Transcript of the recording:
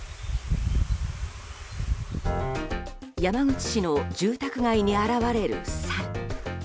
山口市の住宅街に現れるサル。